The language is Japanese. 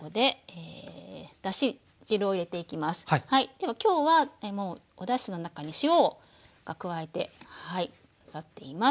では今日はもうおだしの中に塩を加えて混ざっています。